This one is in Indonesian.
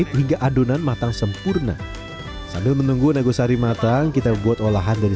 sorghum yang telah terfermentasi selama satu jam